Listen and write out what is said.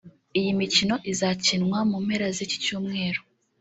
Iyi mikino izakinwa mu mpera z’iki cyumweru